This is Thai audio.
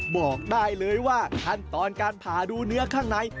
บอกได้เลยว่าขั้นตอนการผ่าดูเนื้อข้างใน